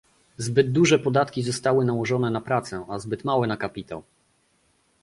Zbyt duże podatki zostały nałożone na pracę, a zbyt małe na kapitał